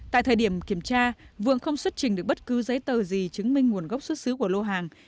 tại thời điểm kiểm tra vượng không xuất trình được bất cứ giấy tờ gì chứng minh nguồn gốc xuất xứ của lô hàng